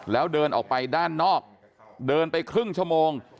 แล้วเดินออกไปด้านนอกเดินไปครึ่งชั่วโมง